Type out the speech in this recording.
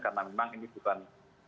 karena memang ini bukan